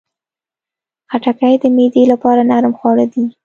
خټکی د معدې لپاره نرم خواړه دي.